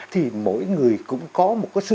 thì mỗi người cũng có một sự cảm xúc khác nhau